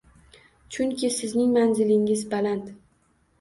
Chunki, sizning manzilingiz baland